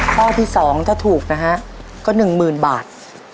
ข้อที่๒ถ้าถูกนะฮะก็๑๐๐๐บาท